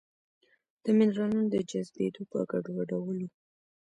د مېنرالونو د جذبېدو په ګډوډولو